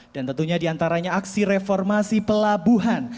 dan tentunya diantaranya aksi reformasi pelabuhan